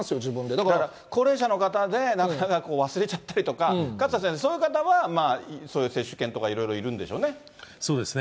だから高齢者の方で、なんとなく忘れちゃったりとか、勝田先生、そういう方はそういう接種券とか、そうですね。